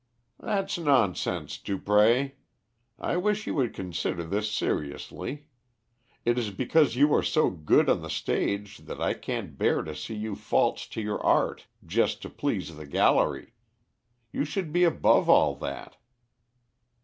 "That's nonsense, Dupré. I wish you would consider this seriously. It is because you are so good on the stage that I can't bear to see you false to your art just to please the gallery. You should be above all that."